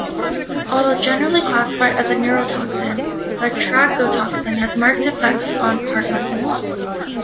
Although generally classified as a neurotoxin, batrachotoxin has marked effects on heart muscles.